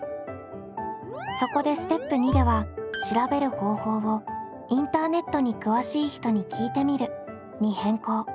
そこでステップ２では調べる方法を「インターネットに詳しい人に聞いてみる」に変更。